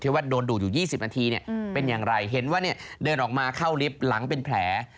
ว่าโดนดูดอยู่๒๐นาทีเนี่ยเป็นอย่างไรเห็นว่าเนี่ยเดินออกมาเข้าลิฟต์หลังเป็นแผล